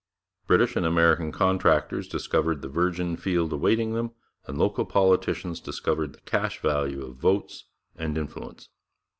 British and American contractors discovered the virgin field awaiting them, and local politicians discovered the cash value of votes and influence.